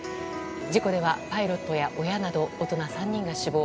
事故ではパイロットや親など大人３人が死亡。